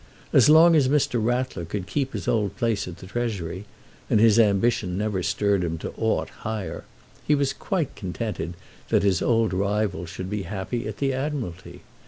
As long as Mr. Rattler could keep his old place at the Treasury, and his ambition never stirred him to aught higher, he was quite contented that his old rival should be happy at the Admiralty.